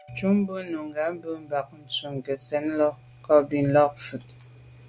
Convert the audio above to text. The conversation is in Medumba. Tchúp bú nùngà mbə̄ mbà bú gə́ tɛ̀ɛ́n sə́’ láà’ ká bū làáp vút.